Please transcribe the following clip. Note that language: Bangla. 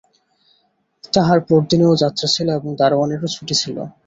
তাহার পরদিনেও যাত্রা ছিল এবং দরোয়ানেরও ছুটি ছিল।